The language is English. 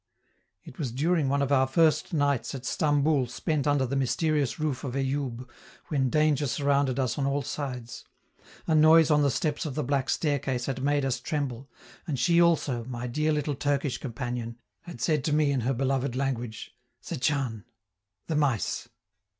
It was during one of our first nights at Stamboul spent under the mysterious roof of Eyoub, when danger surrounded us on all sides; a noise on the steps of the black staircase had made us tremble, and she also, my dear little Turkish companion, had said to me in her beloved language, "Setchan!" ("the mice!").